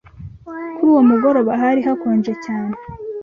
Kuri uwo mugoroba hari hakonje cyane.